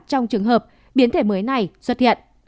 trong trường hợp biến thể mới này xuất hiện